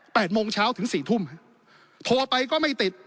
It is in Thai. โมงเช้าถึงสี่ทุ่มโทรไปก็ไม่ติด